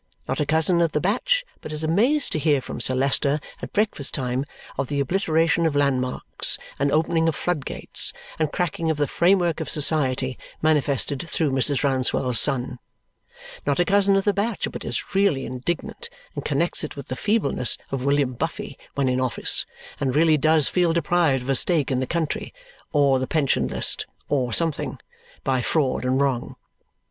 Not a cousin of the batch but is amazed to hear from Sir Leicester at breakfast time of the obliteration of landmarks, and opening of floodgates, and cracking of the framework of society, manifested through Mrs. Rouncewell's son. Not a cousin of the batch but is really indignant, and connects it with the feebleness of William Buffy when in office, and really does feel deprived of a stake in the country or the pension list or something by fraud and wrong.